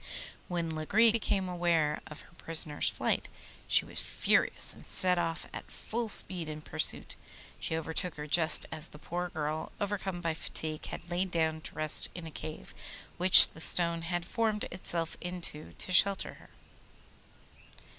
When Lagree became aware of her prisoner's flight she was furious, and set off at full speed in pursuit. She overtook her just as the poor girl, overcome by fatigue, had lain down to rest in a cave which the stone had formed itself into to shelter her.